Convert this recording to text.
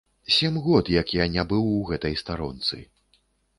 Сем год, як я не быў у гэтай старонцы.